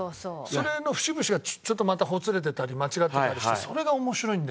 それの節々がちょっとまたほつれてたり間違ってたりしてそれが面白いんだよね。